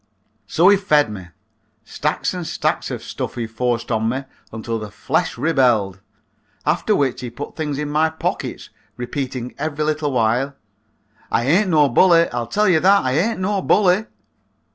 So he fed me. Stacks and stacks of stuff he forced on me until the flesh rebelled, after which he put things in my pockets, repeating every little while, "I ain't no bully, I'll tell you that, I ain't no bully."